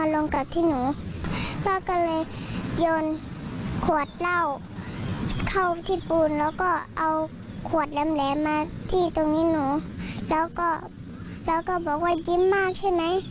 แล้วก็แล้วก็บอกว่ายิ้มมากใช่ไหม